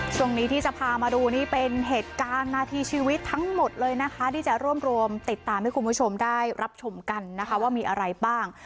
ช่วงนี้ที่จะพามาดูนี่เป็นเหตุการณ์นาทีชีวิตทั้งหมดเลยนะคะที่จะรวบรวมติดตามให้คุณผู้ชมได้รับชมกันนะคะว่ามีอะไรบ้าง